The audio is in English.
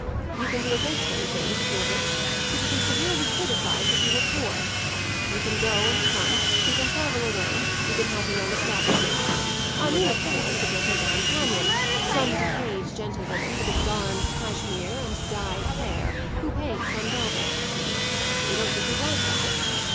You can do a great many things if you're rich which would be severely criticised if you were poor. You can go and come, you can travel alone, you can have your own establishment: I mean of course if you'll take a companion some decayed gentlewoman, with a darned cashmere and dyed hair, who paints on velvet. You don't think you'd like that?